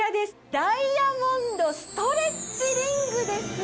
ダイヤモンドストレッチリングです。